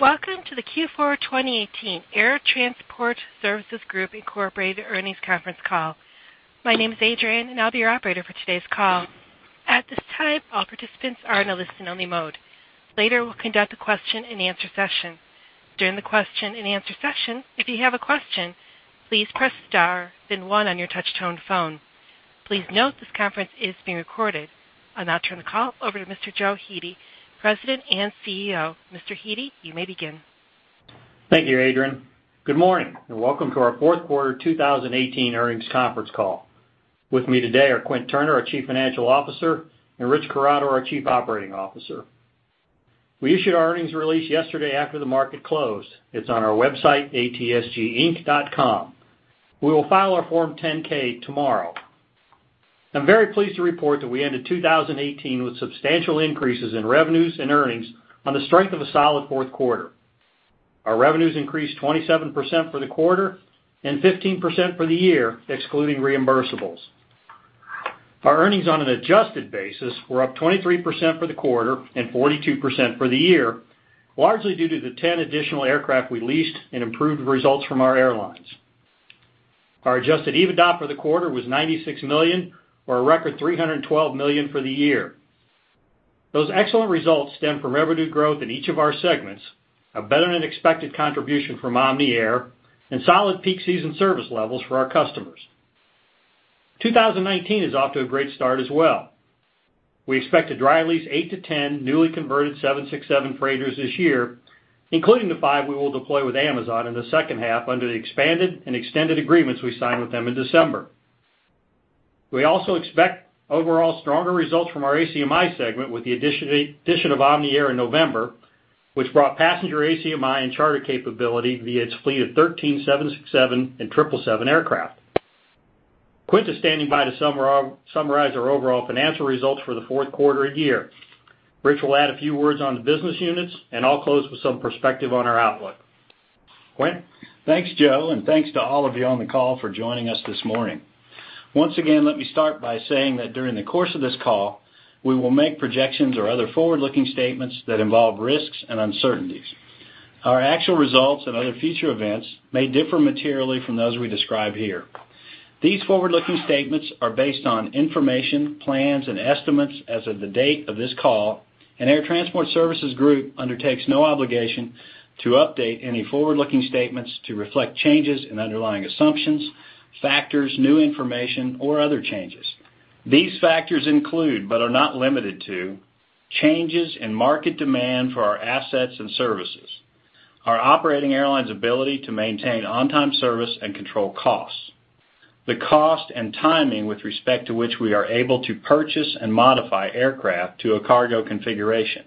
Welcome to the Q4 2018 Air Transport Services Group Incorporated Earnings Conference Call. My name is Adrian, and I'll be your operator for today's call. At this time, all participants are in a listen-only mode. Later, we'll conduct a question and answer session. During the question and answer session, if you have a question, please press star then one on your touch-tone phone. Please note this conference is being recorded. I'll now turn the call over to Mr. Joe Hete, President and CEO. Mr. Hete, you may begin. Thank you, Adrian. Good morning, and welcome to our fourth quarter 2018 earnings conference call. With me today are Quint Turner, our Chief Financial Officer, and Rich Corrado, our Chief Operating Officer. We issued our earnings release yesterday after the market closed. It's on our website, atsginc.com. We will file our Form 10-K tomorrow. I'm very pleased to report that we ended 2018 with substantial increases in revenues and earnings on the strength of a solid fourth quarter. Our revenues increased 27% for the quarter and 15% for the year, excluding reimbursables. Our earnings on an adjusted basis were up 23% for the quarter and 42% for the year, largely due to the 10 additional aircraft we leased and improved results from our airlines. Our adjusted EBITDA for the quarter was $96 million, or a record $312 million for the year. Those excellent results stem from revenue growth in each of our segments, a better-than-expected contribution from Omni Air, and solid peak season service levels for our customers. 2019 is off to a great start as well. We expect to dry lease eight to 10 newly converted 767 freighters this year, including the five we will deploy with Amazon in the second half under the expanded and extended agreements we signed with them in December. We also expect overall stronger results from our ACMI segment with the addition of Omni Air in November, which brought passenger ACMI and charter capability via its fleet of 13 767 and 777 aircraft. Quint is standing by to summarize our overall financial results for the fourth quarter and year. Rich will add a few words on the business units, and I'll close with some perspective on our outlook. Quint? Thanks, Joe. Thanks to all of you on the call for joining us this morning. Once again, let me start by saying that during the course of this call, we will make projections or other forward-looking statements that involve risks and uncertainties. Our actual results and other future events may differ materially from those we describe here. These forward-looking statements are based on information, plans, and estimates as of the date of this call, and Air Transport Services Group undertakes no obligation to update any forward-looking statements to reflect changes in underlying assumptions, factors, new information, or other changes. These factors include, but are not limited to, changes in market demand for our assets and services, our operating airlines' ability to maintain on-time service and control costs, the cost and timing with respect to which we are able to purchase and modify aircraft to a cargo configuration,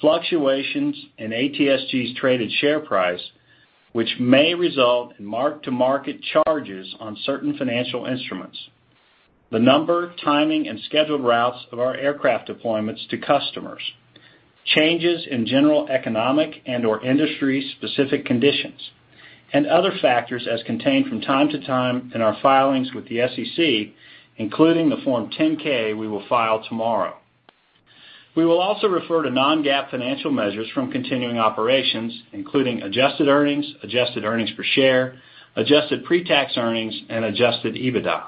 fluctuations in ATSG's traded share price, which may result in mark-to-market charges on certain financial instruments, the number, timing, and scheduled routes of our aircraft deployments to customers, changes in general economic and/or industry-specific conditions, and other factors as contained from time to time in our filings with the SEC, including the Form 10-K we will file tomorrow. We will also refer to non-GAAP financial measures from continuing operations, including adjusted earnings, adjusted earnings per share, adjusted pre-tax earnings, and adjusted EBITDA.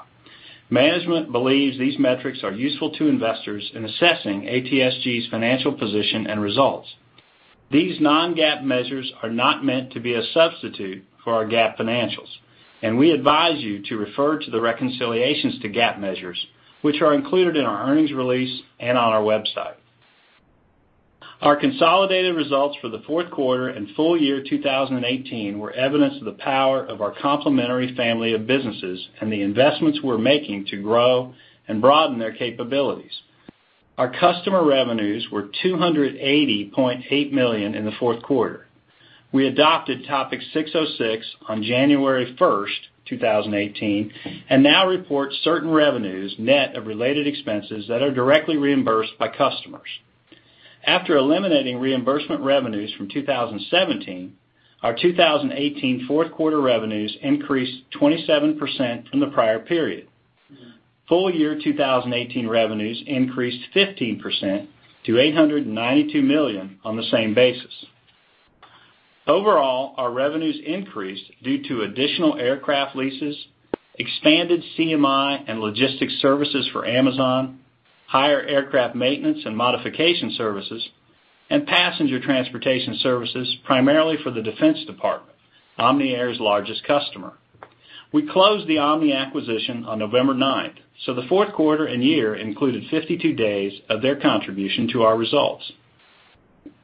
Management believes these metrics are useful to investors in assessing ATSG's financial position and results. These non-GAAP measures are not meant to be a substitute for our GAAP financials, and we advise you to refer to the reconciliations to GAAP measures, which are included in our earnings release and on our website. Our consolidated results for the fourth quarter and full year 2018 were evidence of the power of our complementary family of businesses and the investments we're making to grow and broaden their capabilities. Our customer revenues were $280.8 million in the fourth quarter. We adopted Topic 606 on January 1st, 2018, and now report certain revenues net of related expenses that are directly reimbursed by customers. After eliminating reimbursement revenues from 2017, our 2018 fourth quarter revenues increased 27% from the prior period. Full year 2018 revenues increased 15% to $892 million on the same basis. Overall, our revenues increased due to additional aircraft leases, expanded CMI and logistics services for Amazon, higher aircraft maintenance and modification services, and passenger transportation services primarily for the Defense Department, Omni Air's largest customer. We closed the Omni acquisition on November 9th, so the fourth quarter and year included 52 days of their contribution to our results.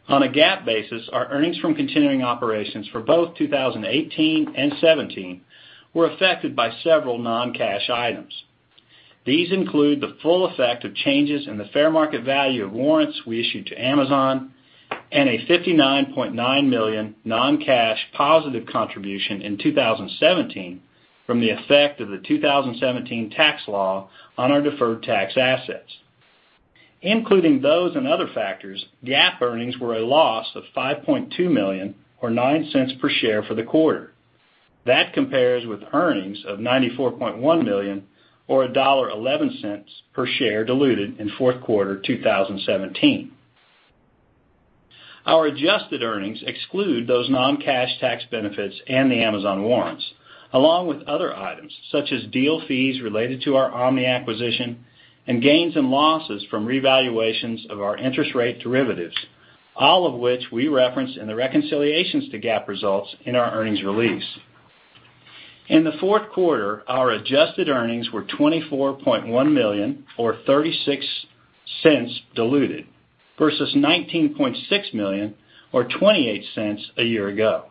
On a GAAP basis, our earnings from continuing operations for both 2018 and '17 were affected by several non-cash items. These include the full effect of changes in the fair market value of warrants we issued to Amazon and a $59.9 million non-cash positive contribution in 2017 from the effect of the 2017 tax law on our deferred tax assets. Including those and other factors, GAAP earnings were a loss of $5.2 million or $0.09 per share for the quarter. That compares with earnings of $94.1 million or $1.11 per share diluted in fourth quarter 2017. Our adjusted earnings exclude those non-cash tax benefits and the Amazon warrants, along with other items such as deal fees related to our Omni acquisition and gains and losses from revaluations of our interest rate derivatives, all of which we reference in the reconciliations to GAAP results in our earnings release. In the fourth quarter, our adjusted earnings were $24.1 million, or $0.36 diluted, versus $19.6 million or $0.28 a year ago.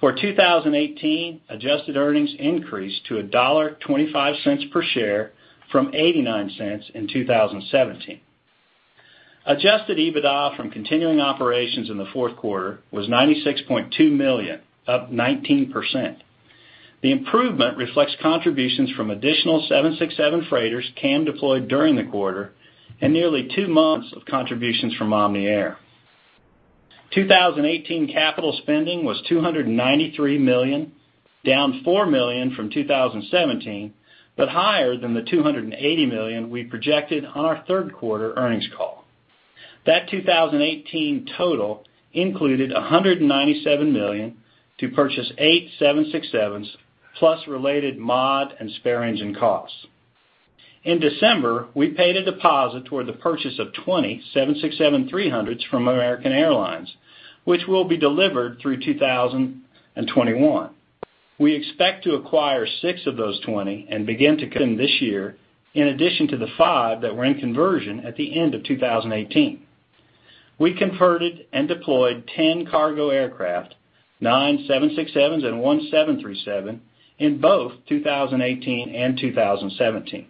For 2018, adjusted earnings increased to $1.25 per share from $0.89 in 2017. Adjusted EBITDA from continuing operations in the fourth quarter was $96.2 million, up 19%. The improvement reflects contributions from additional 767 freighters and deployed during the quarter and nearly two months of contributions from Omni Air. 2018 capital spending was $293 million, down $4 million from 2017, but higher than the $280 million we projected on our third quarter earnings call. That 2018 total included $197 million to purchase eight 767s plus related mod and spare engine costs. In December, we paid a deposit toward the purchase of 20 767-300s from American Airlines, which will be delivered through 2021. We expect to acquire six of those 20 and begin to them this year in addition to the five that were in conversion at the end of 2018. We converted and deployed 10 cargo aircraft, nine 767s and one 737 in both 2018 and 2017.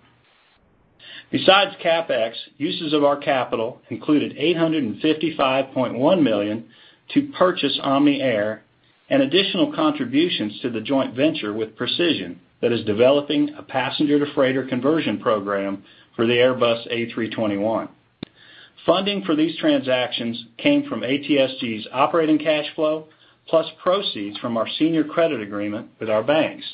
Besides CapEx, uses of our capital included $855.1 million to purchase Omni Air and additional contributions to the joint venture with Precision that is developing a passenger-to-freighter conversion program for the Airbus A321. Funding for these transactions came from ATSG's operating cash flow, plus proceeds from our senior credit agreement with our banks.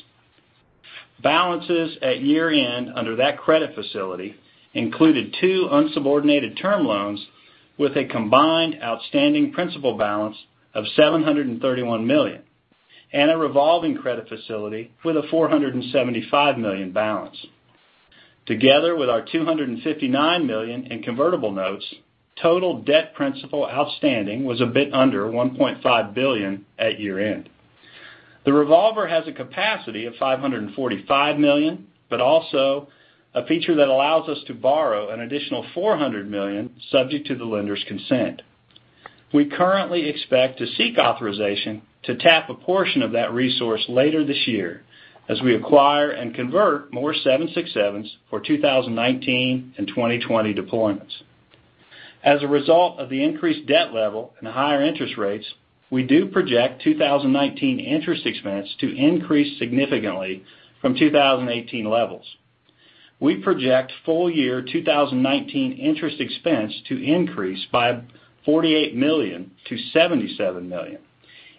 Balances at year-end under that credit facility included two unsubordinated term loans with a combined outstanding principal balance of $731 million, and a revolving credit facility with a $475 million balance. Together with our $259 million in convertible notes, total debt principal outstanding was a bit under $1.5 billion at year-end. The revolver has a capacity of $545 million, but also a feature that allows us to borrow an additional $400 million subject to the lender's consent. We currently expect to seek authorization to tap a portion of that resource later this year as we acquire and convert more 767s for 2019 and 2020 deployments. As a result of the increased debt level and higher interest rates, we do project 2019 interest expense to increase significantly from 2018 levels. We project full year 2019 interest expense to increase by $48 million-$77 million,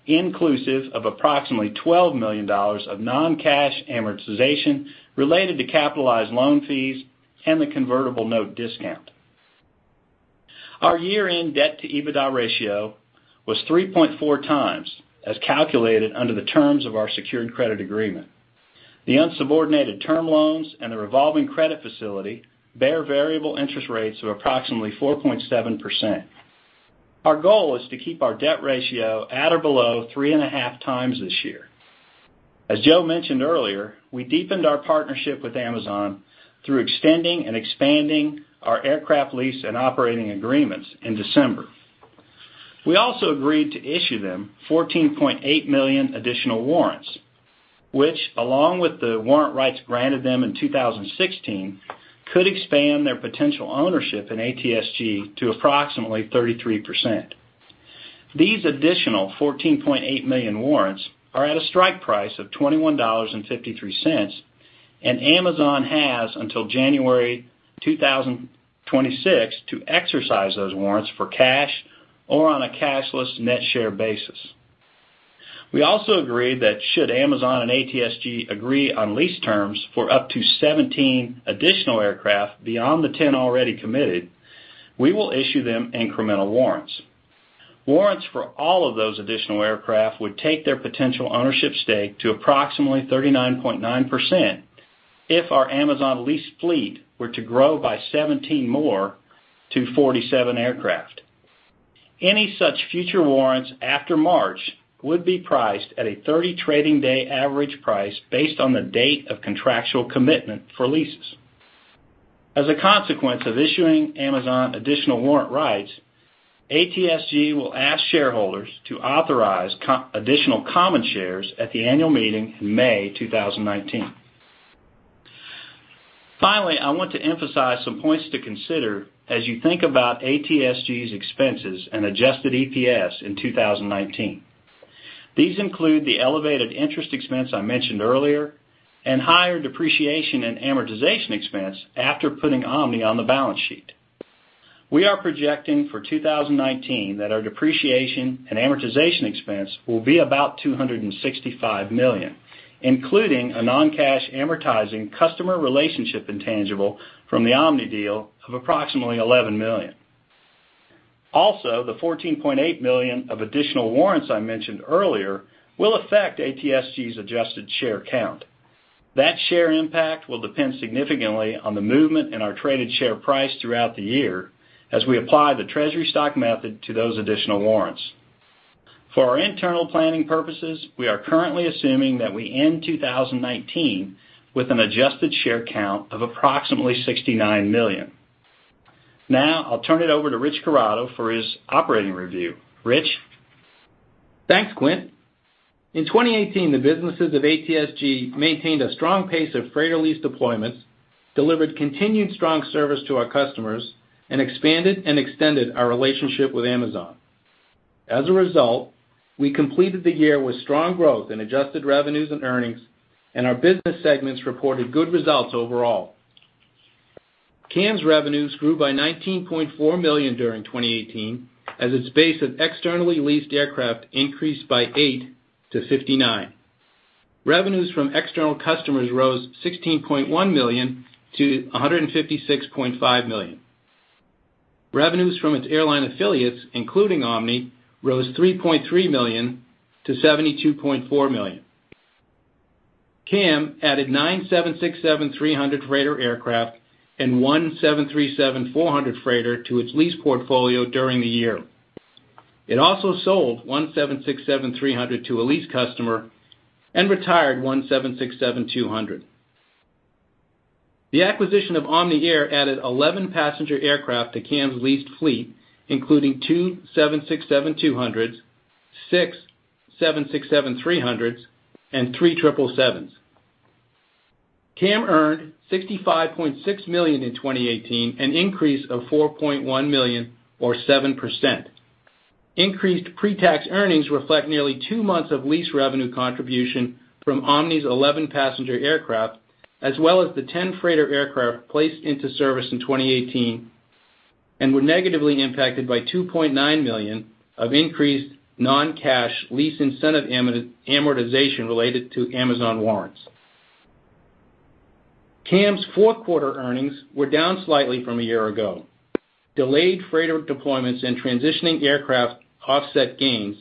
inclusive of approximately $12 million of non-cash amortization related to capitalized loan fees and the convertible note discount. Our year-end debt to EBITDA ratio was 3.4x, as calculated under the terms of our secured credit agreement. The unsubordinated term loans and the revolving credit facility bear variable interest rates of approximately 4.7%. Our goal is to keep our debt ratio at or below 3.5 times this year. As Joe mentioned earlier, we deepened our partnership with Amazon through extending and expanding our aircraft lease and operating agreements in December. We also agreed to issue them 14.8 million additional warrants, which along with the warrant rights granted them in 2016, could expand their potential ownership in ATSG to approximately 33%. These additional 14.8 million warrants are at a strike price of $21.53, and Amazon has until January 2026 to exercise those warrants for cash or on a cashless net share basis. We also agreed that should Amazon and ATSG agree on lease terms for up to 17 additional aircraft beyond the 10 already committed, we will issue them incremental warrants. Warrants for all of those additional aircraft would take their potential ownership stake to approximately 39.9% if our Amazon lease fleet were to grow by 17 more to 47 aircraft. Any such future warrants after March would be priced at a 30-trading day average price based on the date of contractual commitment for leases. As a consequence of issuing Amazon additional warrant rights, ATSG will ask shareholders to authorize additional common shares at the annual meeting in May 2019. Finally, I want to emphasize some points to consider as you think about ATSG's expenses and adjusted EPS in 2019. These include the elevated interest expense I mentioned earlier and higher depreciation and amortization expense after putting Omni on the balance sheet. We are projecting for 2019 that our depreciation and amortization expense will be about $265 million, including a non-cash amortizing customer relationship intangible from the Omni deal of approximately $11 million. Also, the $14.8 million of additional warrants I mentioned earlier will affect ATSG's adjusted share count. That share impact will depend significantly on the movement in our traded share price throughout the year, as we apply the treasury stock method to those additional warrants. For our internal planning purposes, we are currently assuming that we end 2019 with an adjusted share count of approximately 69 million. Now, I'll turn it over to Rich Corrado for his operating review. Rich? Thanks, Quint. In 2018, the businesses of ATSG maintained a strong pace of freighter lease deployments, delivered continued strong service to our customers, and expanded and extended our relationship with Amazon. As a result, we completed the year with strong growth in adjusted revenues and earnings, and our business segments reported good results overall. CAM's revenues grew by $19.4 million during 2018, as its base of externally leased aircraft increased by eight to 59. Revenues from external customers rose $16.1 million-$156.5 million. Revenues from its airline affiliates, including Omni, rose $3.3 million-$72.4 million. CAM added nine 767-300 freighter aircraft and one 737-400 freighter to its lease portfolio during the year. It also sold one 767-300 to a lease customer and retired one 767-200. The acquisition of Omni Air added 11 passenger aircraft to CAM's leased fleet, including two 767-200s, six 767-300s, and three 777s. CAM earned $65.6 million in 2018, an increase of $4.1 million or 7%. Increased pre-tax earnings reflect nearly two months of lease revenue contribution from Omni's 11 passenger aircraft, as well as the 10 freighter aircraft placed into service in 2018, and were negatively impacted by $2.9 million of increased non-cash lease incentive amortization related to Amazon warrants. CAM's fourth quarter earnings were down slightly from a year ago. Delayed freighter deployments and transitioning aircraft offset gains,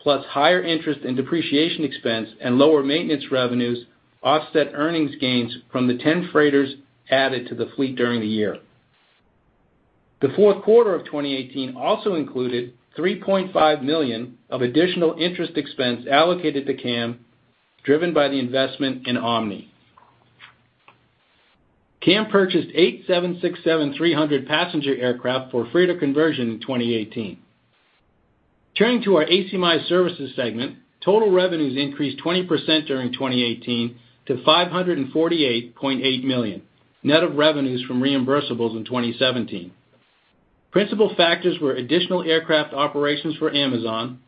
plus higher interest and depreciation expense and lower maintenance revenues offset earnings gains from the 10 freighters added to the fleet during the year. The fourth quarter of 2018 also included $3.5 million of additional interest expense allocated to CAM, driven by the investment in Omni. CAM purchased eight 767-300 passenger aircraft for freighter conversion in 2018. Turning to our ACMI Services segment, total revenues increased 20% during 2018 to $548.8 million, net of revenues from reimbursables in 2017. Principal factors were additional aircraft operations for Amazon,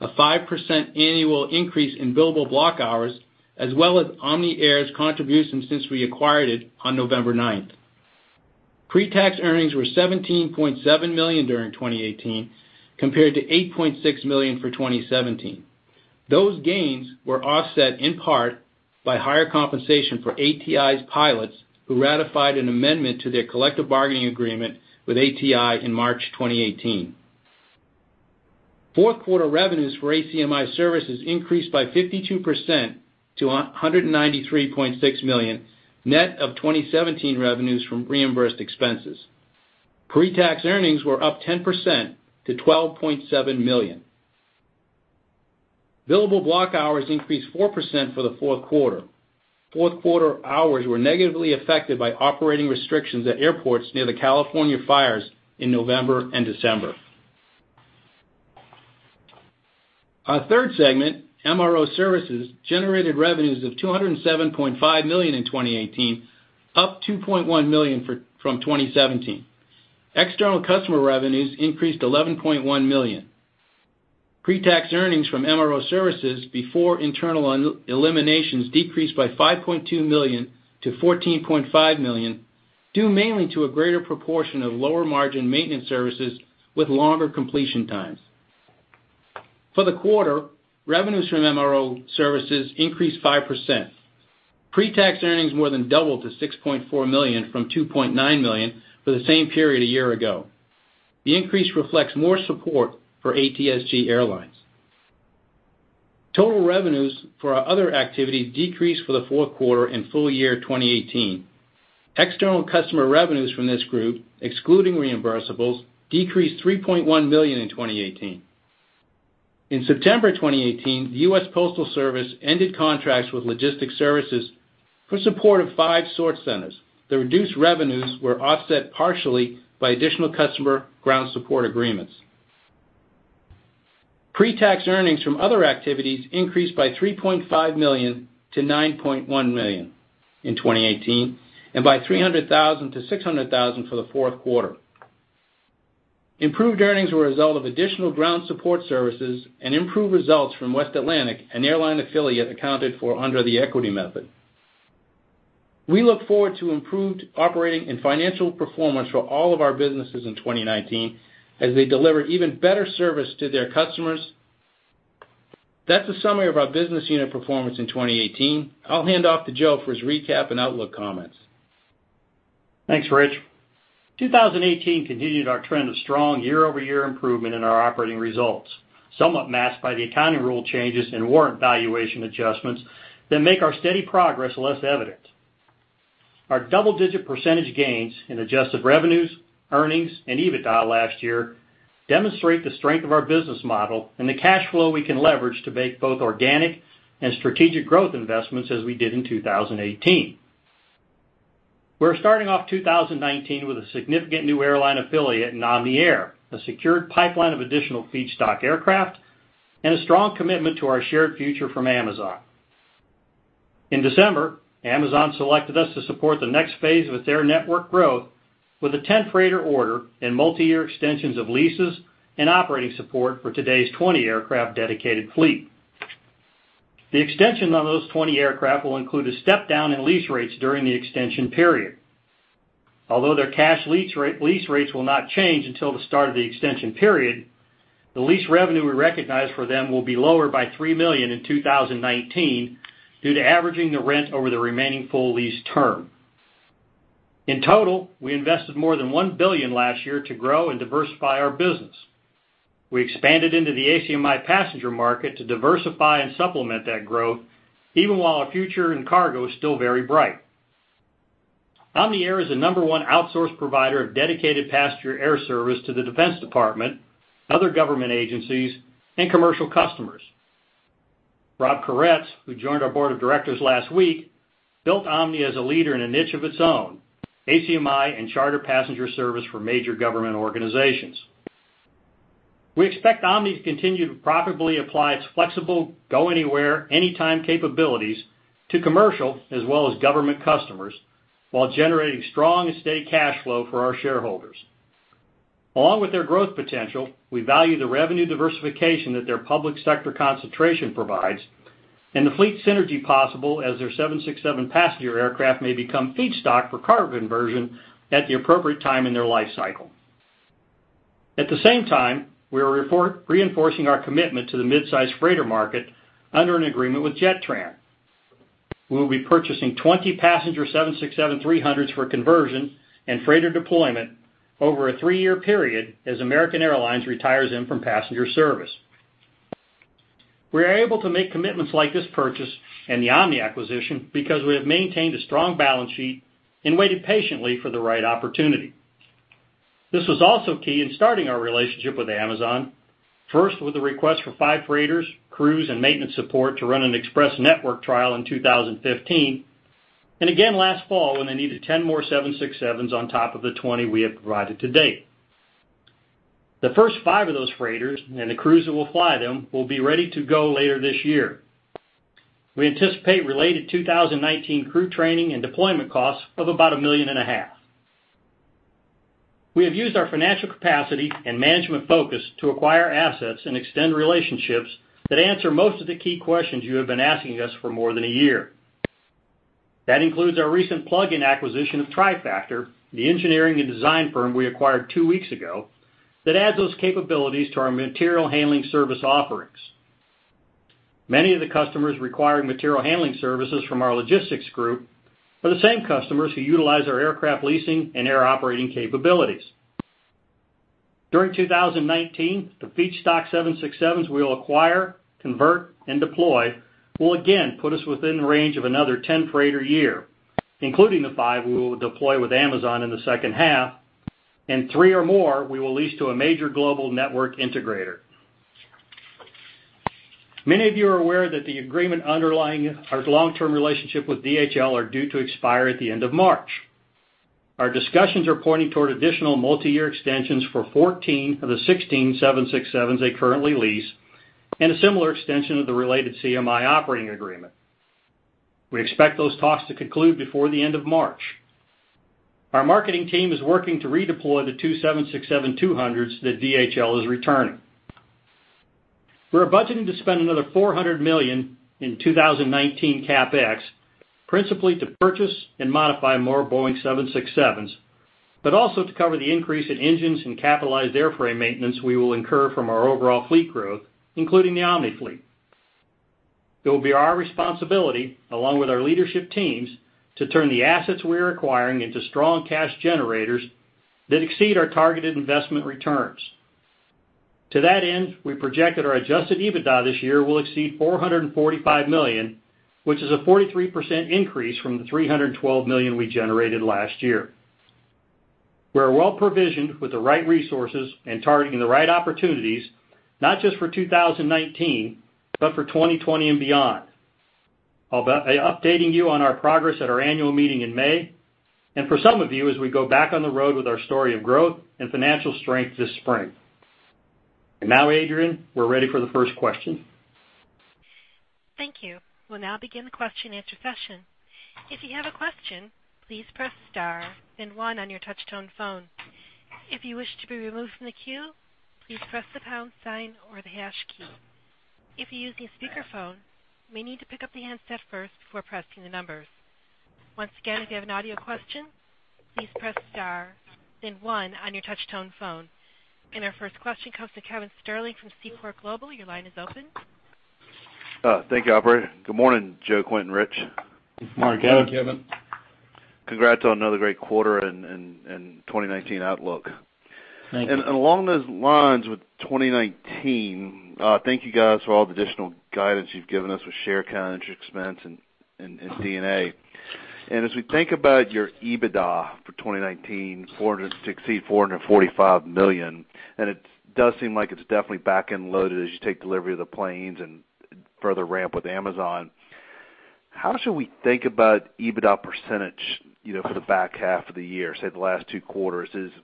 a 5% annual increase in billable block hours, as well as Omni Air's contribution since we acquired it on November 9th. Pre-tax earnings were $17.7 million during 2018, compared to $8.6 million for 2017. Those gains were offset in part by higher compensation for ATI's pilots, who ratified an amendment to their collective bargaining agreement with ATI in March 2018. Fourth quarter revenues for ACMI Services increased by 52% to $193.6 million, net of 2017 revenues from reimbursed expenses. Pre-tax earnings were up 10% to $12.7 million. Billable block hours increased 4% for the fourth quarter. Fourth quarter hours were negatively affected by operating restrictions at airports near the California fires in November and December. Our third segment, MRO Services, generated revenues of $207.5 million in 2018, up $2.1 million from 2017. External customer revenues increased $11.1 million. Pre-tax earnings from MRO Services before internal eliminations decreased by $5.2 million to $14.5 million, due mainly to a greater proportion of lower margin maintenance services with longer completion times. For the quarter, revenues from MRO Services increased 5%. Pre-tax earnings more than doubled to $6.4 million from $2.9 million for the same period a year ago. The increase reflects more support for ATSG Airlines. Total revenues for our other activities decreased for the fourth quarter and full year 2018. External customer revenues from this group, excluding reimbursables, decreased $3.1 million in 2018. In September 2018, the U.S. Postal Service ended contracts with logistic services for support of five sort centers. The reduced revenues were offset partially by additional customer ground support agreements. Pre-tax earnings from other activities increased by $3.5 million-$9.1 million in 2018, and by $300,000-$600,000 for the fourth quarter. Improved earnings were a result of additional ground support services and improved results from West Atlantic, an airline affiliate accounted for under the equity method. We look forward to improved operating and financial performance for all of our businesses in 2019 as they deliver even better service to their customers. That's a summary of our business unit performance in 2018. I'll hand off to Joe for his recap and outlook comments. Thanks, Rich. 2018 continued our trend of strong year-over-year improvement in our operating results, somewhat masked by the accounting rule changes and warrant valuation adjustments that make our steady progress less evident. Our double-digit percentage gains in adjusted revenues, earnings, and EBITDA last year demonstrate the strength of our business model and the cash flow we can leverage to make both organic and strategic growth investments as we did in 2018. We're starting off 2019 with a significant new airline affiliate in Omni Air, a secured pipeline of additional feedstock aircraft, and a strong commitment to our shared future from Amazon. In December, Amazon selected us to support the next phase with their network growth with a 10-freighter order and multi-year extensions of leases and operating support for today's 20-aircraft dedicated fleet. The extension on those 20 aircraft will include a step-down in lease rates during the extension period. Although their cash lease rates will not change until the start of the extension period, the lease revenue we recognize for them will be lower by $3 million in 2019 due to averaging the rent over the remaining full lease term. In total, we invested more than $1 billion last year to grow and diversify our business. We expanded into the ACMI passenger market to diversify and supplement that growth, even while our future in cargo is still very bright. Omni Air is the number one outsource provider of dedicated passenger air service to the Defense Department, other government agencies, and commercial customers. Robert Coretz, who joined our board of directors last week, built Omni as a leader in a niche of its own, ACMI and charter passenger service for major government organizations. We expect Omni to continue to profitably apply its flexible, go-anywhere, anytime capabilities to commercial as well as government customers while generating strong estate cash flow for our shareholders. Along with their growth potential, we value the revenue diversification that their public sector concentration provides and the fleet synergy possible as their Boeing 767 passenger aircraft may become feedstock for cargo conversion at the appropriate time in their life cycle. At the same time, we are reinforcing our commitment to the midsize freighter market under an agreement with Jetran. We will be purchasing 20 passenger Boeing 767-300s for conversion and freighter deployment over a three-year period as American Airlines retires them from passenger service. We are able to make commitments like this purchase and the Omni acquisition because we have maintained a strong balance sheet and waited patiently for the right opportunity. This was also key in starting our relationship with Amazon, first with a request for five freighters, crews, and maintenance support to run an express network trial in 2015, and again last fall when they needed 10 more Boeing 767s on top of the 20 we have provided to date. The first five of those freighters and the crews that will fly them will be ready to go later this year. We anticipate related 2019 crew training and deployment costs of about a million and a half. We have used our financial capacity and management focus to acquire assets and extend relationships that answer most of the key questions you have been asking us for more than a year. That includes our recent plug-in acquisition of TriFactor, the engineering and design firm we acquired two weeks ago, that adds those capabilities to our material handling service offerings. Many of the customers requiring material handling services from our logistics group are the same customers who utilize our aircraft leasing and air operating capabilities. During 2019, the feedstock 767s we will acquire, convert, and deploy will again put us within range of another 10-freighter year, including the five we will deploy with Amazon in the second half and three or more we will lease to a major global network integrator. Many of you are aware that the agreement underlying our long-term relationship with DHL are due to expire at the end of March. Our discussions are pointing toward additional multi-year extensions for 14 of the 16 767s they currently lease and a similar extension of the related CMI operating agreement. We expect those talks to conclude before the end of March. Our marketing team is working to redeploy the two 767-200s that DHL is returning. We're budgeting to spend another $400 million in 2019 CapEx, principally to purchase and modify more Boeing 767s, but also to cover the increase in engines and capitalized airframe maintenance we will incur from our overall fleet growth, including the Omni fleet. It will be our responsibility, along with our leadership teams, to turn the assets we are acquiring into strong cash generators that exceed our targeted investment returns. To that end, we projected our adjusted EBITDA this year will exceed $445 million, which is a 43% increase from the $312 million we generated last year. We are well provisioned with the right resources and targeting the right opportunities, not just for 2019, but for 2020 and beyond. I'll be updating you on our progress at our annual meeting in May, and for some of you, as we go back on the road with our story of growth and financial strength this spring. Now, Adrian, we're ready for the first question. Thank you. We'll now begin the question-and-answer session. If you have a question, please press star then one on your touch-tone phone. If you wish to be removed from the queue, please press the pound sign or the hash key. If you're using a speakerphone, you may need to pick up the handset first before pressing the numbers. Once again, if you have an audio question, please press star then one on your touch-tone phone. Our first question comes to Kevin Sterling from Seaport Global. Your line is open. Thank you, operator. Good morning, Joe, Quint and Rich. Good morning, Kevin. Good morning, Kevin. Congrats on another great quarter and 2019 outlook. Thank you. Along those lines with 2019, thank you guys for all the additional guidance you've given us with share count, expense, and D&A. As we think about your EBITDA for 2019, $460 million, $445 million, it does seem like it's definitely back-end loaded as you take delivery of the planes and further ramp with Amazon. How should we think about EBITDA percentage for the back half of the year, say, the last two quarters? Is it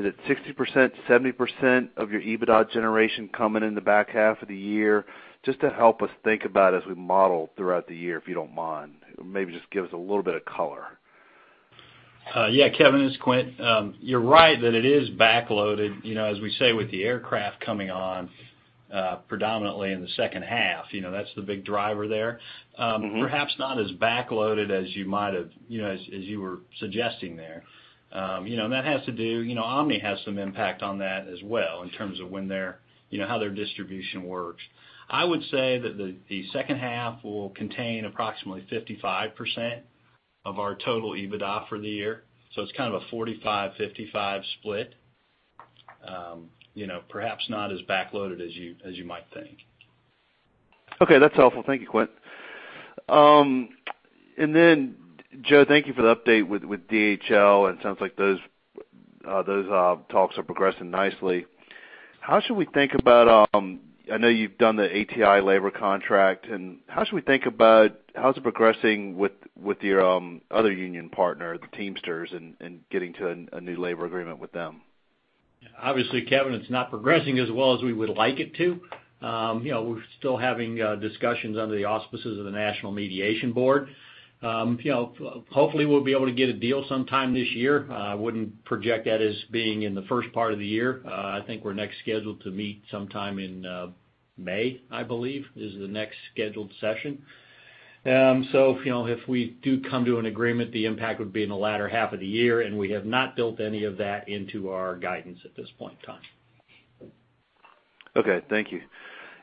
60%-70% of your EBITDA generation coming in the back half of the year? Just to help us think about as we model throughout the year, if you don't mind. Maybe just give us a little bit of color. Yeah, Kevin, it's Quint. You're right that it is back-loaded, as we say, with the aircraft coming on predominantly in the second half. That's the big driver there. Perhaps not as back-loaded as you were suggesting there. That has to do, Omni has some impact on that as well in terms of how their distribution works. I would say that the second half will contain approximately 55% of our total EBITDA for the year. It's kind of a 45%-55% split. Perhaps not as back-loaded as you might think. Okay, that's helpful. Thank you, Quint. Joe, thank you for the update with DHL, and it sounds like those talks are progressing nicely. I know you've done the ATI labor contract, how should we think about how it's progressing with your other union partner, the Teamsters, and getting to a new labor agreement with them? Obviously, Kevin, it's not progressing as well as we would like it to. We're still having discussions under the auspices of the National Mediation Board. Hopefully, we'll be able to get a deal sometime this year. I wouldn't project that as being in the first part of the year. I think we're next scheduled to meet sometime in May, I believe is the next scheduled session. If we do come to an agreement, the impact would be in the latter half of the year, and we have not built any of that into our guidance at this point in time. Okay, thank you.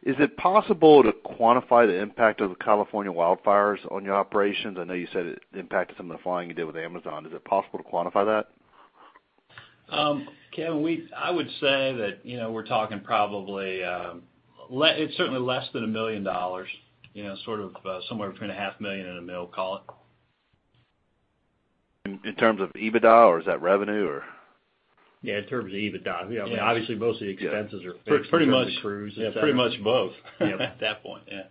Is it possible to quantify the impact of the California wildfires on your operations? I know you said it impacted some of the flying you did with Amazon. Is it possible to quantify that? Kevin, I would say that we're talking probably, it's certainly less than $1 million, sort of somewhere between a half million and a mil, call it. In terms of EBITDA, or is that revenue or? Yeah, in terms of EBITDA. Yes. Obviously, most of the expenses are fixed. Pretty much. in terms of crews, et cetera. Yeah, pretty much both at that point, yeah.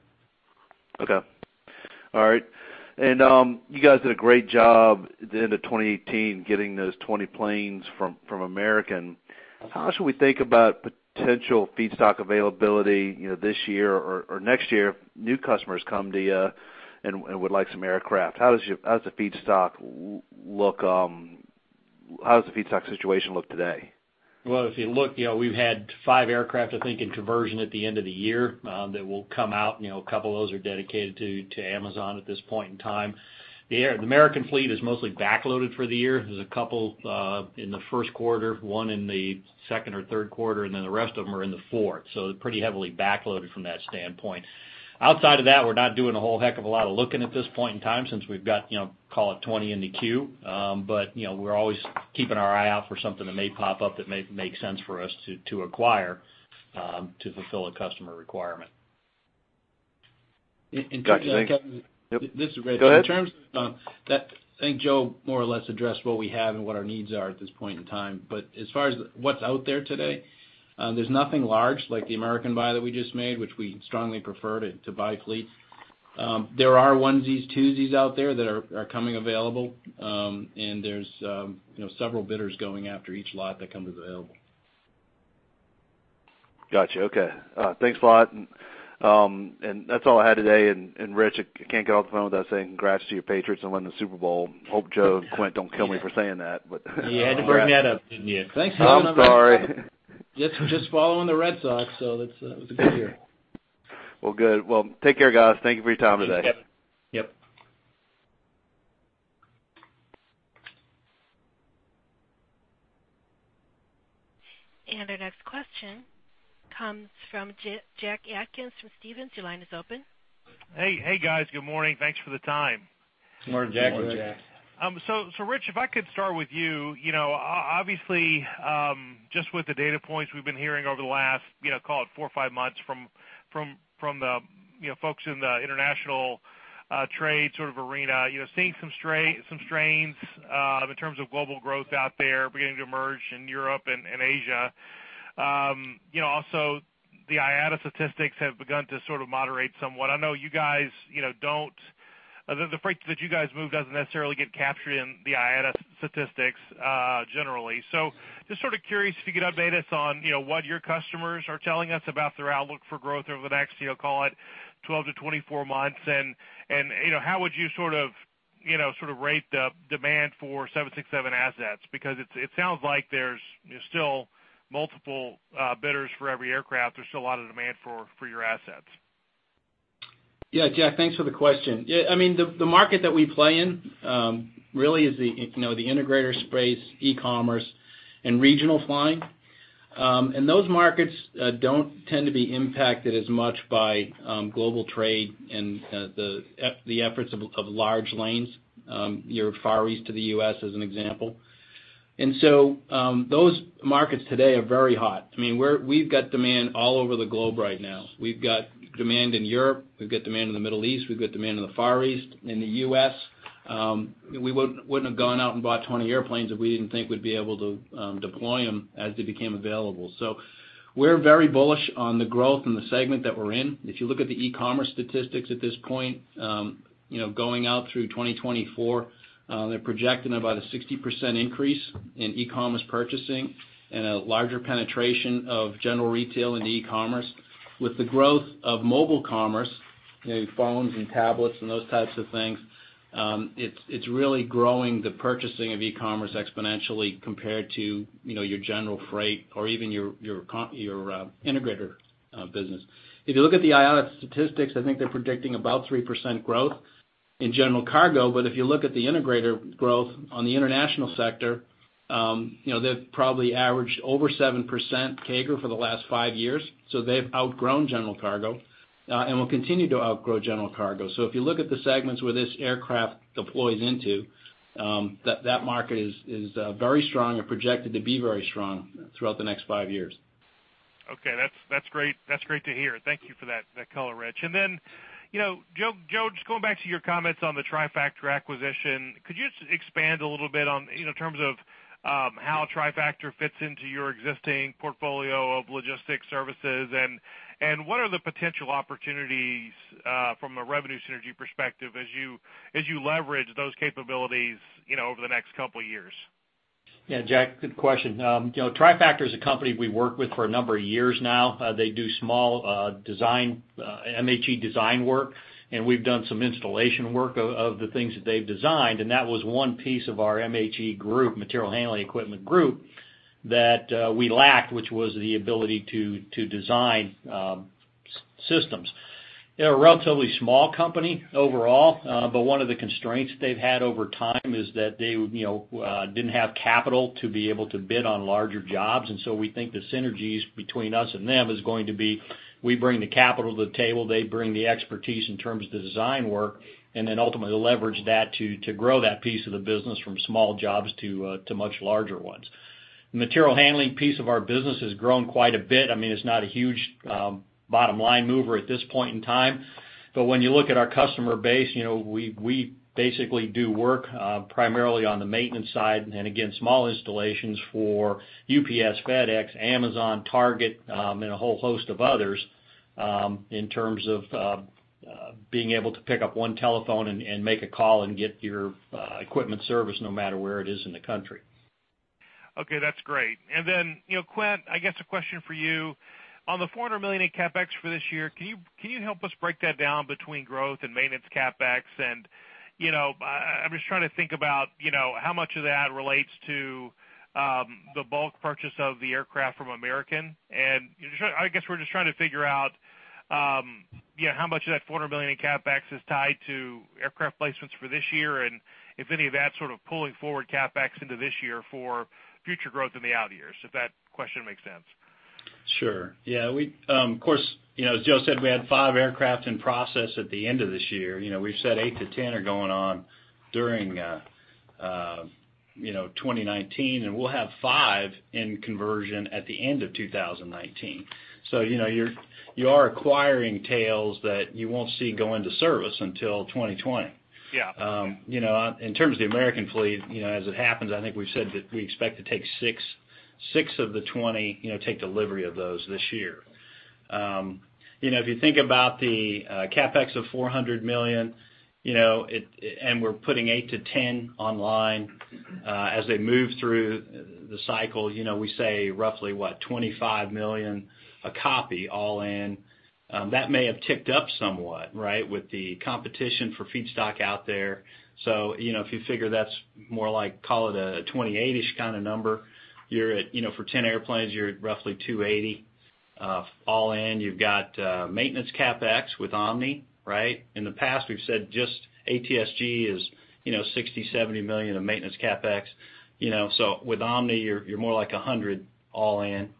Okay. All right. You guys did a great job at the end of 2018 getting those 20 planes from American. How should we think about potential feedstock availability this year or next year if new customers come to you and would like some aircraft? How does the feedstock situation look today? If you look, we've had five aircraft, I think, in conversion at the end of the year that will come out. A couple of those are dedicated to Amazon at this point in time. The American fleet is mostly back-loaded for the year. There's a couple in the first quarter, one in the second or third quarter, and the rest of them are in the fourth. They're pretty heavily back-loaded from that standpoint. Outside of that, we're not doing a whole heck of a lot of looking at this point in time since we've got, call it 20 in the queue. We're always keeping our eye out for something that may pop up that may make sense for us to acquire to fulfill a customer requirement. Got you. Thanks. In terms of that, Kevin. Yep, go ahead. This is Rich. I think Joe more or less addressed what we have and what our needs are at this point in time. As far as what's out there today, there's nothing large like the American buy that we just made, which we strongly prefer to buy fleets. There are onesies, twosies out there that are coming available, and there's several bidders going after each lot that comes available. Got you. Okay. Thanks a lot. That's all I had today. Rich, I can't get off the phone without saying congrats to your Patriots on winning the Super Bowl. Hope Joe and Quint don't kill me for saying that. You had to bring that up, didn't you? Thanks for that. I'm sorry. Just following the Red Sox, that was a good year. Well, good. Well, take care, guys. Thank you for your time today. Thanks, Kevin. Yep. Our next question comes from Jack Atkins from Stephens. Your line is open. Hey, guys. Good morning. Thanks for the time. Good morning, Jack. Good morning, Jack. Rich, if I could start with you. Obviously, just with the data points we've been hearing over the last, call it four or five months from the folks in the international trade sort of arena, seeing some strains in terms of global growth out there beginning to emerge in Europe and Asia. Also, the IATA statistics have begun to sort of moderate somewhat. I know the freight that you guys move doesn't necessarily get captured in the IATA statistics, generally. Just sort of curious if you could update us on what your customers are telling us about their outlook for growth over the next, call it 12-24 months, and how would you sort of rate the demand for 767 assets because it sounds like there's still multiple bidders for every aircraft. There's still a lot of demand for your assets. Yeah, Jack, thanks for the question. The market that we play in, really is the integrator space, e-commerce, and regional flying. Those markets don't tend to be impacted as much by global trade and the efforts of large lanes, your Far East to the U.S. as an example. Those markets today are very hot. We've got demand all over the globe right now. We've got demand in Europe, we've got demand in the Middle East, we've got demand in the Far East, in the U.S. We wouldn't have gone out and bought 20 airplanes if we didn't think we'd be able to deploy them as they became available. We're very bullish on the growth in the segment that we're in. If you look at the e-commerce statistics at this point, going out through 2024, they're projecting about a 60% increase in e-commerce purchasing and a larger penetration of general retail into e-commerce. With the growth of mobile commerce, phones and tablets and those types of things, it's really growing the purchasing of e-commerce exponentially compared to your general freight or even your integrator business. If you look at the IATA statistics, I think they're predicting about 3% growth in general cargo. If you look at the integrator growth on the international sector, they've probably averaged over 7% CAGR for the last five years. They've outgrown general cargo, and will continue to outgrow general cargo. If you look at the segments where this aircraft deploys into, that market is very strong and projected to be very strong throughout the next five years. Okay. That's great to hear. Thank you for that color, Rich. Joe, just going back to your comments on the TriFactor acquisition, could you just expand a little bit in terms of how TriFactor fits into your existing portfolio of logistic services, and what are the potential opportunities, from a revenue synergy perspective, as you leverage those capabilities over the next couple of years? Yeah, Jack, good question. TriFactor is a company we worked with for a number of years now. They do small MHE design work, and we've done some installation work of the things that they've designed, and that was one piece of our MHE group, Material Handling Equipment group, that we lacked, which was the ability to design systems. They're a relatively small company overall. One of the constraints they've had over time is that they didn't have capital to be able to bid on larger jobs. We think the synergies between us and them is going to be, we bring the capital to the table, they bring the expertise in terms of the design work, and then ultimately leverage that to grow that piece of the business from small jobs to much larger ones. The material handling piece of our business has grown quite a bit. When you look at our customer base, we basically do work primarily on the maintenance side and again, small installations for UPS, FedEx, Amazon, Target, and a whole host of others, in terms of being able to pick up one telephone and make a call and get your equipment serviced no matter where it is in the country. Okay, that's great. Then, Quint, I guess a question for you. On the $400 million in CapEx for this year, can you help us break that down between growth and maintenance CapEx? I'm just trying to think about how much of that relates to the bulk purchase of the aircraft from American. I guess we're just trying to figure out how much of that $400 million in CapEx is tied to aircraft placements for this year, and if any of that sort of pulling forward CapEx into this year for future growth in the out years, if that question makes sense. Sure. Yeah. Of course, as Joe said, we had five aircraft in process at the end of this year. We've said eight to 10 are going on during 2019, and we'll have five in conversion at the end of 2019. You are acquiring tails that you won't see go into service until 2020. Yeah. In terms of the American fleet, as it happens, I think we've said that we expect to take six of the 20, take delivery of those this year. If you think about the CapEx of $400 million, and we're putting eight to 10 online, as they move through the cycle, we say roughly what, $25 million a copy all in. That may have ticked up somewhat, with the competition for feedstock out there. If you figure that's more like, call it a $28-ish kind of number, for 10 airplanes, you're at roughly $280 all in. You've got maintenance CapEx with Omni. In the past, we've said just ATSG is $60, $70 million of maintenance CapEx. With Omni, you're more like $100 all in.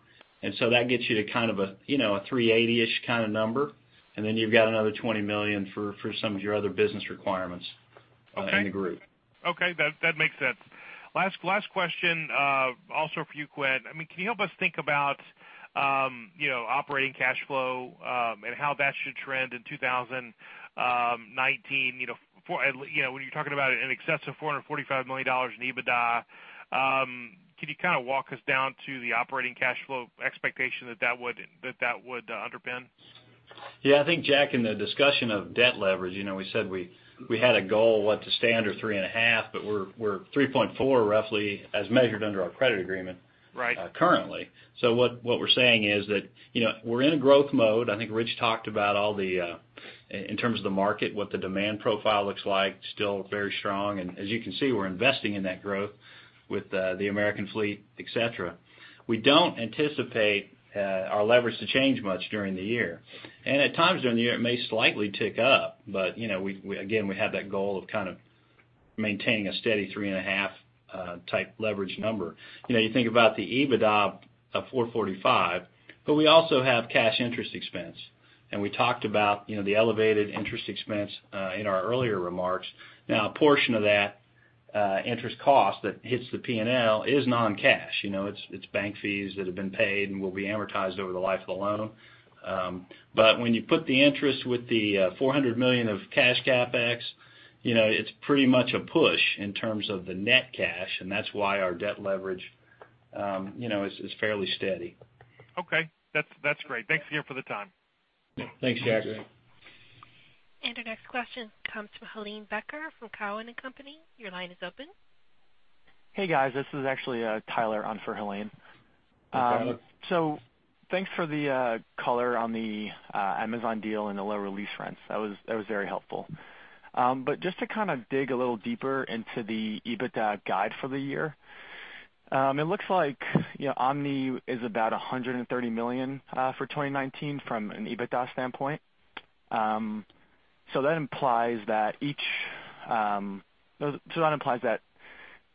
That gets you to kind of a $380-ish kind of number. You've got another $20 million for some of your other business requirements in the group. Okay. That makes sense. Last question, also for you, Quint. Can you help us think about operating cash flow, and how that should trend in 2019? When you're talking about in excess of $445 million in EBITDA, can you kind of walk us down to the operating cash flow expectation that that would underpin? Yeah, I think, Jack, in the discussion of debt leverage, we said we had a goal, what, to stay under three and a half, but we're 3.4 roughly as measured under our credit agreement. Right Currently. What we're saying is that, we're in a growth mode. I think Rich talked about, in terms of the market, what the demand profile looks like, still very strong. As you can see, we're investing in that growth with the American fleet, et cetera. We don't anticipate our leverage to change much during the year. At times during the year, it may slightly tick up. Again, we have that goal of kind of maintaining a steady three and a half type leverage number. You think about the EBITDA of $445, but we also have cash interest expense. We talked about the elevated interest expense, in our earlier remarks. Now, a portion of that interest cost that hits the P&L is non-cash. It's bank fees that have been paid and will be amortized over the life of the loan. When you put the interest with the $400 million of cash CapEx, it's pretty much a push in terms of the net cash, and that's why our debt leverage is fairly steady. Okay. That's great. Thanks again for the time. Thanks, Jack. Our next question comes from Helane Becker from Cowen and Company. Your line is open. Hey, guys. This is actually Tyler on for Helane. Hey, Tyler. Thanks for the color on the Amazon deal and the lower lease rents. That was very helpful. Just to kind of dig a little deeper into the EBITDA guide for the year, it looks like Omni is about $130 million for 2019 from an EBITDA standpoint. That implies that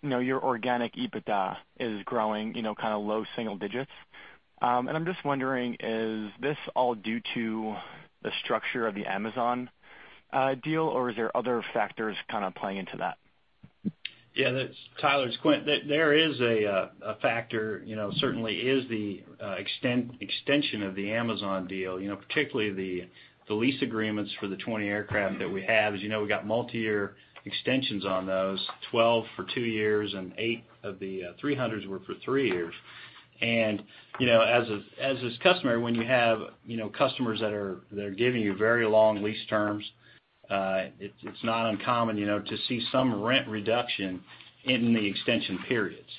your organic EBITDA is growing low single digits. I'm just wondering, is this all due to the structure of the Amazon deal, or are there other factors kind of playing into that? Yeah. Tyler, it's Quint. There is a factor, certainly is the extension of the Amazon deal, particularly the lease agreements for the 20 aircraft that we have. As you know, we've got multi-year extensions on those, 12 for two years, and eight of the 300s were for three years. As is customary, when you have customers that are giving you very long lease terms, it's not uncommon to see some rent reduction in the extension periods.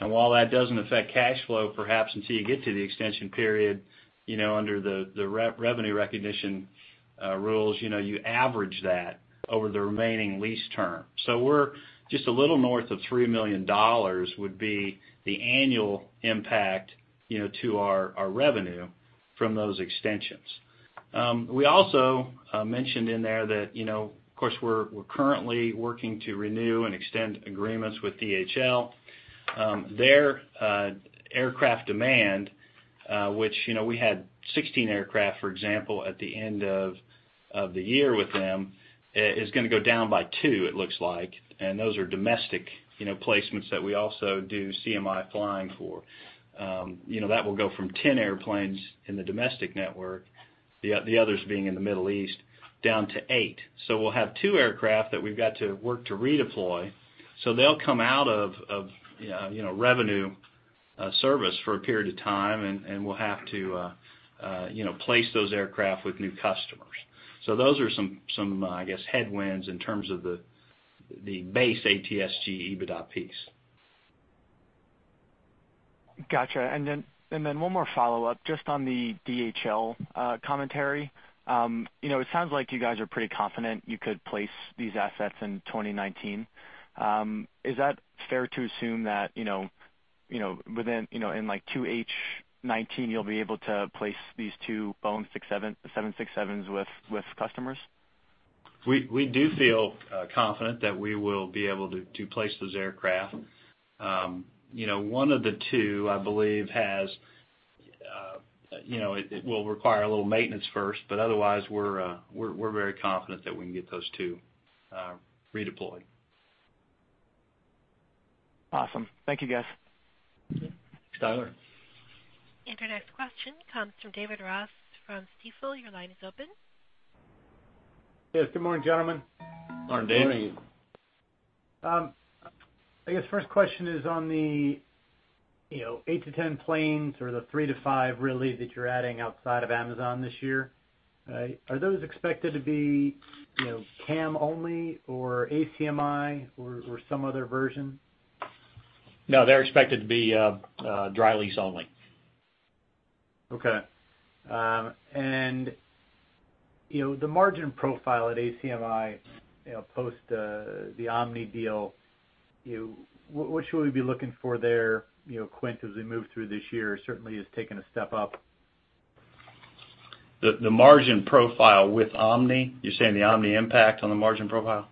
While that doesn't affect cash flow, perhaps until you get to the extension period, under the revenue recognition rules, you average that over the remaining lease term. We're just a little north of $3 million would be the annual impact to our revenue from those extensions. We also mentioned in there that, of course, we're currently working to renew and extend agreements with DHL. Their aircraft demand, which we had 16 aircraft, for example, at the end of the year with them, is going to go down by two, it looks like, and those are domestic placements that we also do CMI flying for. That will go from 10 airplanes in the domestic network, the others being in the Middle East, down to eight. We'll have two aircraft that we've got to work to redeploy. They'll come out of revenue service for a period of time, and we'll have to place those aircraft with new customers. Those are some of the, I guess, headwinds in terms of the base ATSG EBITDA piece. Got you. One more follow-up just on the DHL commentary. It sounds like you guys are pretty confident you could place these assets in 2019. Is that fair to assume that in 2H '19, you'll be able to place these two Boeing 767s with customers? We do feel confident that we will be able to place those aircraft. One of the two, I believe, it will require a little maintenance first, but otherwise, we're very confident that we can get those two redeployed. Awesome. Thank you, guys. Thanks, Tyler. Our next question comes from David Ross from Stifel. Your line is open. Yes. Good morning, gentlemen. Morning, David. Morning. I guess first question is on the eight to 10 planes or the three to five really that you're adding outside of Amazon this year. Are those expected to be CAM only or ACMI or some other version? No, they're expected to be dry lease only. Okay. The margin profile at ACMI, post the Omni deal, what should we be looking for there, Quint, as we move through this year? Certainly, it's taken a step up. The margin profile with Omni? You're saying the Omni impact on the margin profile?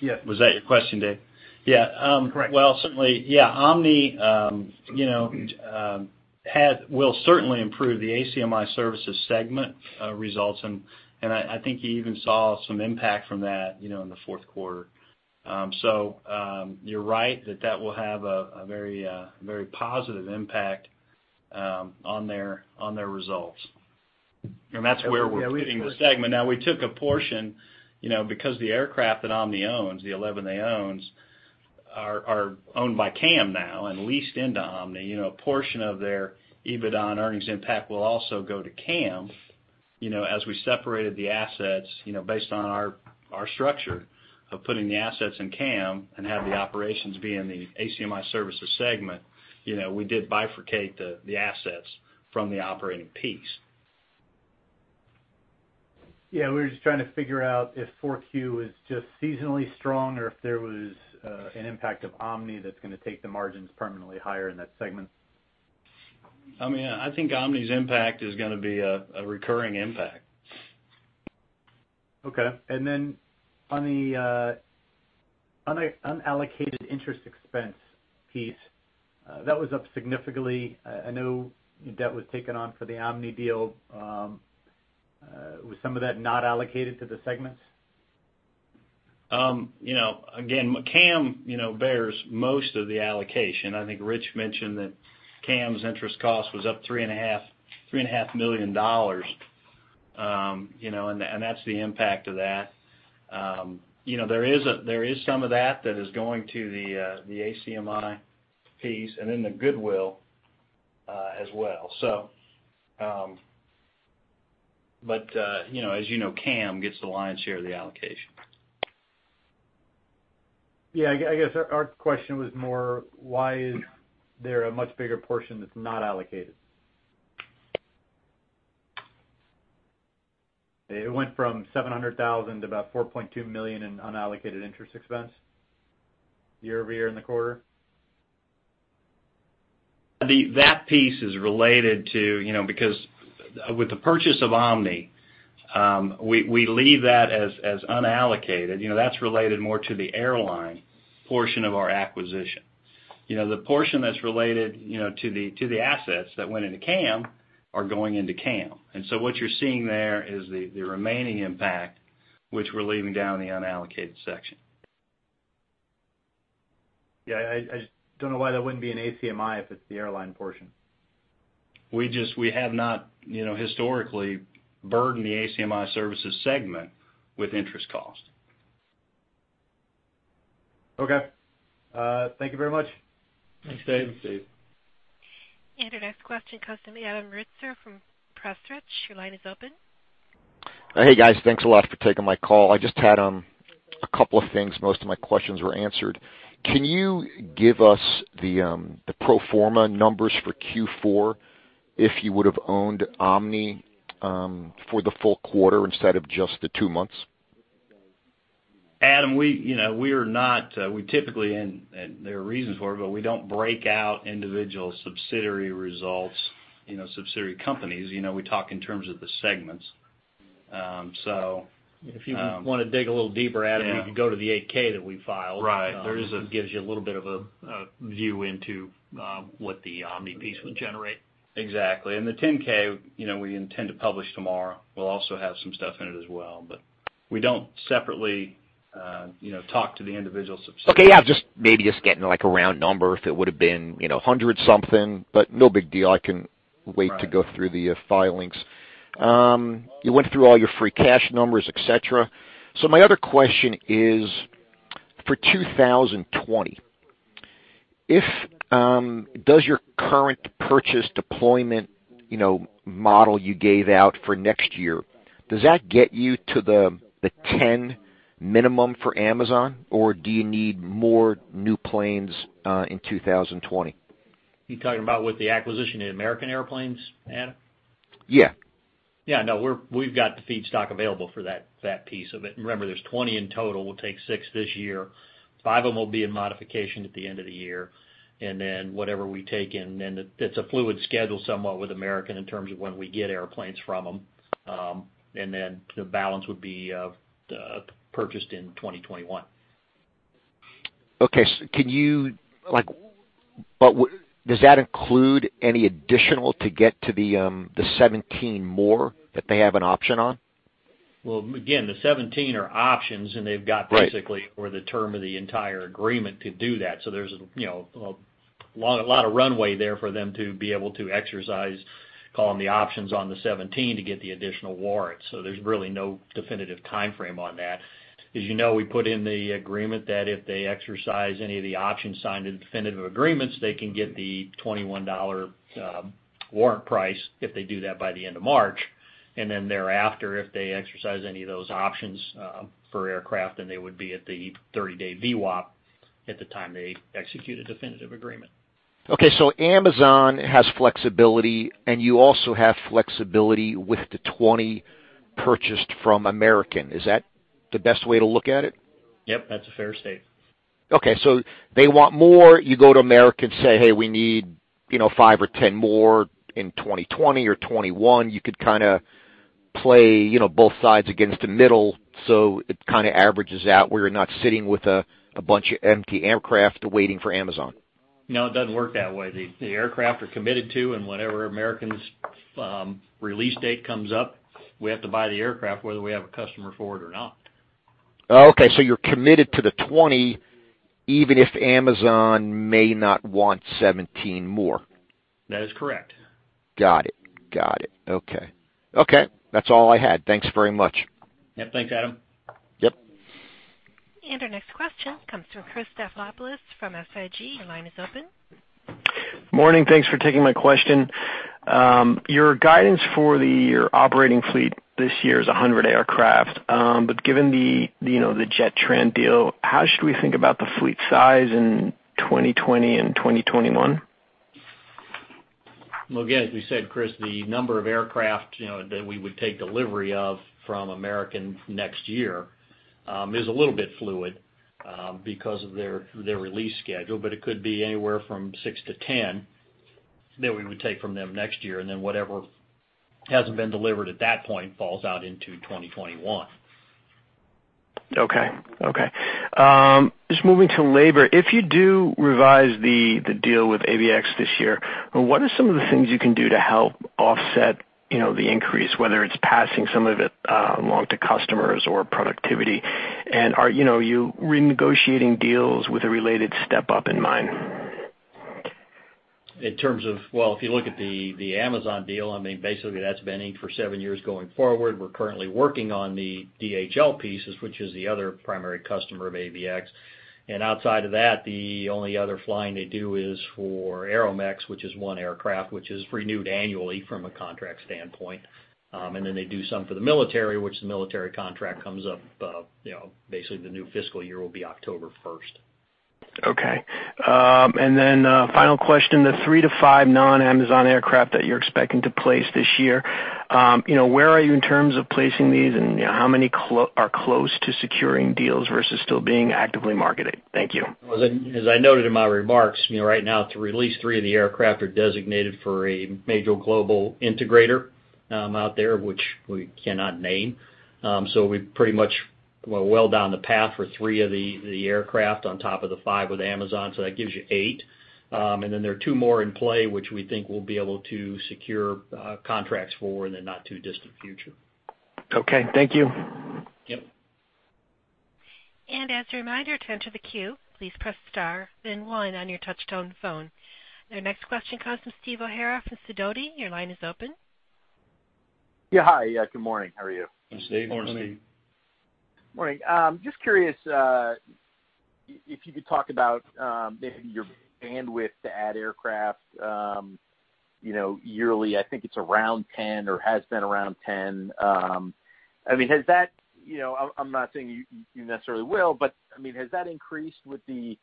Yeah. Was that your question, Dave? Correct. Well, certainly. Omni will certainly improve the ACMI Services segment results, and I think you even saw some impact from that in the fourth quarter. You're right that that will have a very positive impact on their results. That's where we're putting the segment. We took a portion, because the aircraft that Omni owns, the 11 they own are owned by CAM now and leased into Omni. A portion of their EBITDA and earnings impact will also go to CAM. As we separated the assets, based on our structure of putting the assets in CAM and have the operations be in the ACMI Services segment, we did bifurcate the assets from the operating piece. We were just trying to figure out if Q4 was just seasonally strong or if there was an impact of Omni that's going to take the margins permanently higher in that segment. I think Omni's impact is going to be a recurring impact. Okay. Then on the unallocated interest expense piece, that was up significantly. I know debt was taken on for the Omni deal. Was some of that not allocated to the segments? Again, CAM bears most of the allocation. I think Rich mentioned that CAM's interest cost was up $3.5 million. That's the impact of that. There is some of that is going to the ACMI piece and then the goodwill as well. As you know, CAM gets the lion's share of the allocation. Yeah. I guess our question was more, why is there a much bigger portion that's not allocated? It went from $700,000 to about $4.2 million in unallocated interest expense year-over-year in the quarter. That piece is related to. Because with the purchase of Omni, we leave that as unallocated. That's related more to the airline portion of our acquisition. The portion that's related to the assets that went into CAM are going into CAM. What you're seeing there is the remaining impact, which we're leaving down in the unallocated section. Yeah. I just don't know why that wouldn't be in ACMI if it's the airline portion. We have not historically burdened the ACMI services segment with interest cost. Okay. Thank you very much. Thanks, Dave. Thanks, Dave. Our next question comes from Adam Ritzer from Pressprich & Co. Your line is open. Hey, guys. Thanks a lot for taking my call. I just had a couple of things. Most of my questions were answered. Can you give us the pro forma numbers for Q4 if you would've owned Omni, for the full quarter instead of just the two months? Adam, we typically, and there are reasons for it, but we don't break out individual subsidiary results, subsidiary companies. We talk in terms of the segments. If you want to dig a little deeper, Adam. Yeah You could go to the 8-K that we filed. Right. gives you a little bit of a view into what the Omni piece would generate. Exactly. The 10-K, we intend to publish tomorrow. We'll also have some stuff in it as well, but we don't separately talk to the individual subsidiaries. Okay. Yeah, just maybe just getting like a round number if it would've been 100 something, but no big deal. I can wait. Right to go through the filings. You went through all your free cash numbers, et cetera. My other question is for 2020, does your current purchase deployment model you gave out for next year, does that get you to the 10 minimum for Amazon, or do you need more new planes in 2020? You talking about with the acquisition of the American airplanes, Adam? Yeah. Yeah. No, we've got the feedstock available for that piece of it. Remember, there's 20 in total. We'll take six this year. Five of them will be in modification at the end of the year. Whatever we take in, it's a fluid schedule somewhat with American in terms of when we get airplanes from them. The balance would be purchased in 2021. Okay. Does that include any additional to get to the 17 more that they have an option on? Well, again, the 17 are options, and they've got. Right basically for the term of the entire agreement to do that. There's a lot of runway there for them to be able to exercise, call them the options on the 17 to get the additional warrants. There's really no definitive timeframe on that. As you know, we put in the agreement that if they exercise any of the options signed in the definitive agreements, they can get the $21 warrant price if they do that by the end of March. Thereafter, if they exercise any of those options for aircraft, they would be at the 30-day VWAP at the time they execute a definitive agreement. Okay. Amazon has flexibility and you also have flexibility with the 20 purchased from American. Is that the best way to look at it? Yep. That's a fair statement. Okay. They want more, you go to American, say, "Hey, we need five or 10 more in 2020 or 2021." You could kind of play both sides against the middle, it kind of averages out where you're not sitting with a bunch of empty aircraft waiting for Amazon. No, it doesn't work that way. The aircraft are committed to, whenever American's release date comes up, we have to buy the aircraft whether we have a customer for it or not. Oh, okay. You're committed to the 20, even if Amazon may not want 17 more? That is correct. Got it. Okay. That's all I had. Thanks very much. Yeah, thanks, Adam. Yep. Our next question comes from Chris Stathoulopoulos from SIG. Your line is open. Morning. Thanks for taking my question. Your guidance for the operating fleet this year is 100 aircraft. Given the Jetran deal, how should we think about the fleet size in 2020 and 2021? Well, again, as we said, Chris, the number of aircraft that we would take delivery of from American next year, is a little bit fluid, because of their release schedule. It could be anywhere from six to 10 that we would take from them next year, then whatever hasn't been delivered at that point falls out into 2021. Okay. Just moving to labor. If you do revise the deal with ABX this year, what are some of the things you can do to help offset the increase, whether it's passing some of it along to customers or productivity? Are you renegotiating deals with a related step-up in mind? In terms of, if you look at the Amazon deal, basically that's been inked for 7 years going forward. We're currently working on the DHL pieces, which is the other primary customer of ABX. Outside of that, the only other flying they do is for Aeromex, which is one aircraft, which is renewed annually from a contract standpoint. Then they do some for the military, which the military contract comes up, basically the new fiscal year will be October 1st. Okay. Then, final question, the three to five non-Amazon aircraft that you're expecting to place this year. Where are you in terms of placing these, and how many are close to securing deals versus still being actively marketed? Thank you. As I noted in my remarks, right now, at least three of the aircraft are designated for a major global integrator out there, which we cannot name. We're pretty much well down the path for three of the aircraft on top of the five with Amazon. Then there are two more in play, which we think we'll be able to secure contracts for in the not-too-distant future. Okay. Thank you. Yep. As a reminder, to enter the queue, please press star then one on your touch-tone phone. Our next question comes from Steve O'Hara from Sidoti. Your line is open. Yeah. Hi. Good morning. How are you? Hi, Steve. Morning, Steve. Morning. Just curious, if you could talk about maybe your bandwidth to add aircraft yearly. I think it's around 10 or has been around 10. Has that increased with the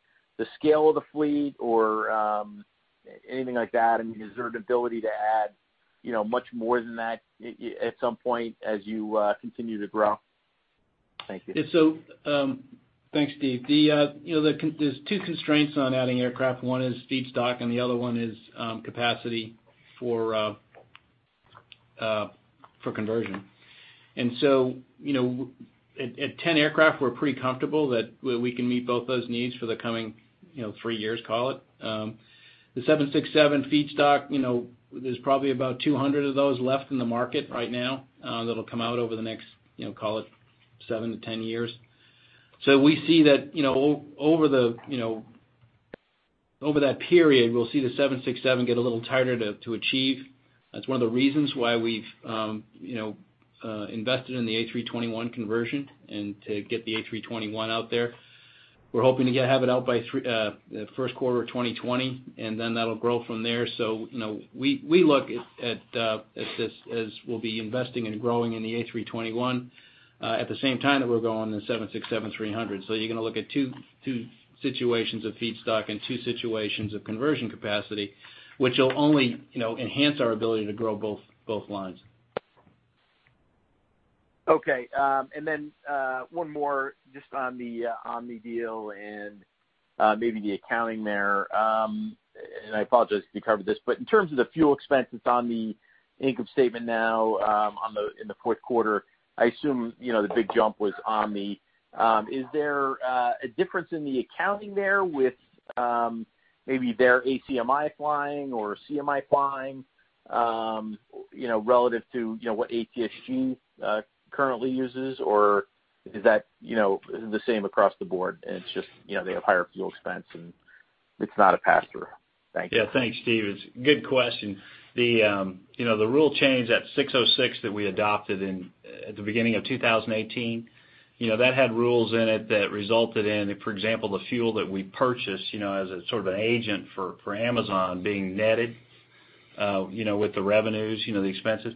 scale of the fleet or anything like that? Is there an ability to add much more than that at some point as you continue to grow? Thank you. Thanks, Steve. There's two constraints on adding aircraft. One is feedstock, and the other one is capacity for conversion. At 10 aircraft, we're pretty comfortable that we can meet both those needs for the coming three years, call it. The 767 feedstock, there's probably about 200 of those left in the market right now that'll come out over the next, call it seven to 10 years. We see that over that period, we'll see the 767 get a little tighter to achieve. That's one of the reasons why we've invested in the A321 conversion and to get the A321 out there. We're hoping to have it out by first quarter of 2020, that'll grow from there. We look at this as we'll be investing and growing in the A321 at the same time that we're growing the 767-300. You're going to look at two situations of feedstock and two situations of conversion capacity, which will only enhance our ability to grow both lines. Okay. One more just on the Omni deal and maybe the accounting there. I apologize if you covered this, but in terms of the fuel expense that's on the income statement now in the fourth quarter, I assume the big jump was Omni. Is there a difference in the accounting there with maybe their ACMI flying or CMI flying, relative to what ATSG currently uses, or is that the same across the board and it's just they have higher fuel expense and it's not a pass-through? Thank you. Yeah. Thanks, Steve. It's a good question. The rule change, that 606 that we adopted at the beginning of 2018, that had rules in it that resulted in, for example, the fuel that we purchased as sort of an agent for Amazon being netted with the revenues, the expenses.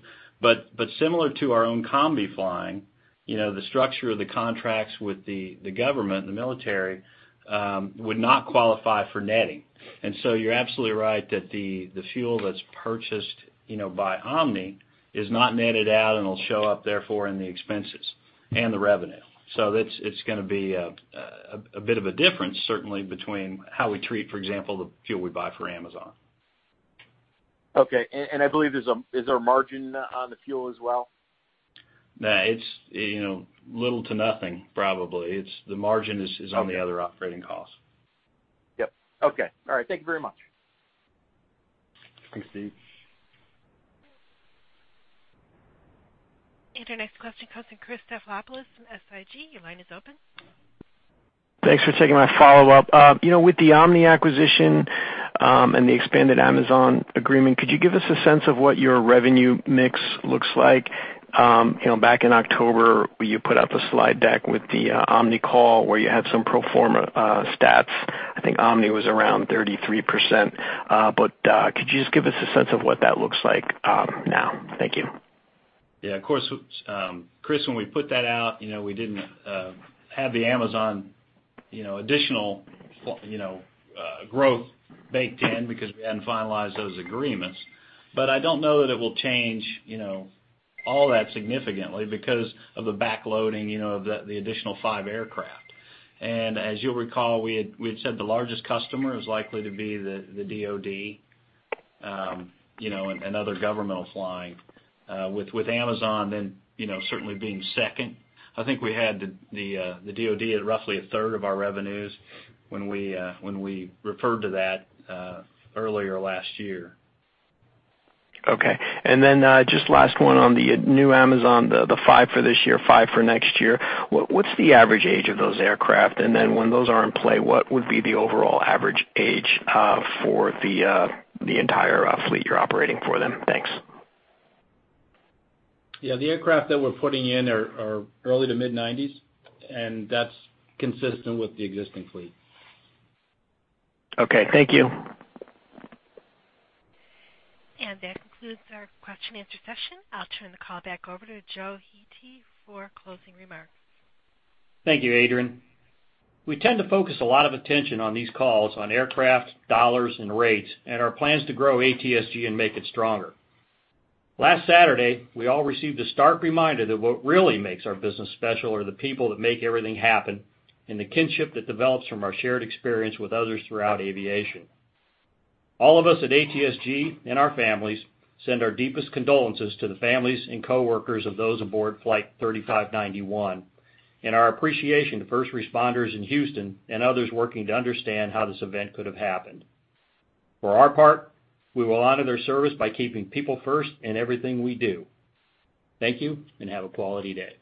Similar to our own combi flying, the structure of the contracts with the government and the military would not qualify for netting. You're absolutely right that the fuel that's purchased by Omni is not netted out and it'll show up therefore in the expenses and the revenue. It's going to be a bit of a difference certainly between how we treat, for example, the fuel we buy for Amazon. Okay. I believe, is there a margin on the fuel as well? No. It's little to nothing, probably. The margin is on the other operating costs. Yep. Okay. All right. Thank you very much. Thanks, Steve. Your next question comes in Chris Stavropoulos from SIG. Your line is open. Thanks for taking my follow-up. With the Omni acquisition, and the expanded Amazon agreement, could you give us a sense of what your revenue mix looks like? Back in October, you put up a slide deck with the Omni call where you had some pro forma stats. I think Omni was around 33%. Could you just give us a sense of what that looks like now? Thank you. Yeah, of course. Chris, when we put that out, we didn't have the Amazon additional growth baked in because we hadn't finalized those agreements. I don't know that it will change all that significantly because of the back-loading of the additional five aircraft. As you'll recall, we had said the largest customer is likely to be the DoD, and other governmental flying. With Amazon then certainly being second. I think we had the DoD at roughly a third of our revenues when we referred to that earlier last year. Okay. Then just last one on the new Amazon, the five for this year, five for next year. What's the average age of those aircraft? Then when those are in play, what would be the overall average age for the entire fleet you're operating for them? Thanks. Yeah, the aircraft that we're putting in are early to mid-'90s, that's consistent with the existing fleet. Okay, thank you. That concludes our question-and-answer session. I'll turn the call back over to Joe Hete for closing remarks. Thank you, Adrienne. We tend to focus a lot of attention on these calls on aircraft, dollars, and rates, and our plans to grow ATSG and make it stronger. Last Saturday, we all received a stark reminder that what really makes our business special are the people that make everything happen, and the kinship that develops from our shared experience with others throughout aviation. All of us at ATSG and our families send our deepest condolences to the families and coworkers of those aboard Flight 3591, and our appreciation to first responders in Houston and others working to understand how this event could have happened. For our part, we will honor their service by keeping people first in everything we do. Thank you, and have a quality day.